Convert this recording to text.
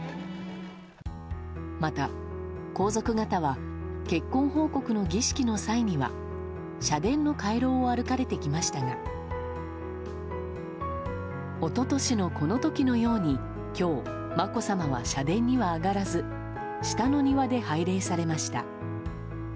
また、皇族方は結婚奉告の儀式の際には社殿の回廊を歩かれてきましたが一昨年のこの時のように今日まこさまは社殿には上がらず下の庭で拝礼されました。